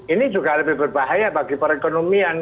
ini juga lebih berbahaya bagi perekonomian